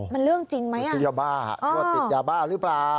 มันเรื่องจริงไหมอ่ะโอ้โฮมันซื้อยาบ้าทวดติดยาบ้าหรือเปล่า